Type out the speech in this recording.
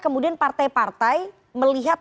kemudian partai partai melihat